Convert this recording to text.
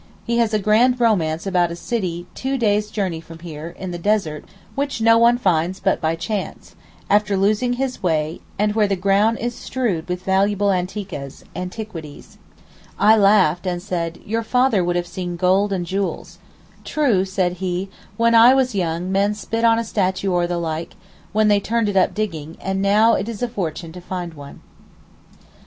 He has a grand romance about a city two days' journey from here, in the desert, which no one finds but by chance, after losing his way; and where the ground is strewed with valuable anteekehs (antiquities). I laughed, and said, 'Your father would have seen gold and jewels.' 'True,' said he, 'when I was young, men spit on a statue or the like, when they turned it up in digging, and now it is a fortune to find one.